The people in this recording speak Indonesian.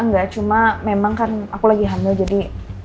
nggak cuma memang kan aku lagi hamil jadi